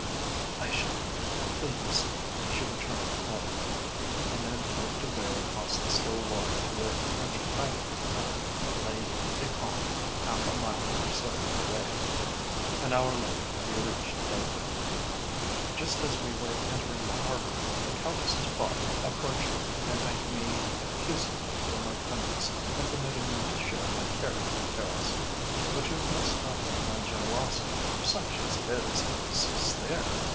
"I shall be very pleased," she returned quietly, and then looked away across the still water to where a French pilot cutter lay becalmed half a mile or so away. An hour later we reached Dover. Just as we were entering the harbour, the Countess's father approached me and thanked me effusively for my kindness in permitting them to share my carriage from Paris. "But you must not let my generosity, such as it is, cease there!"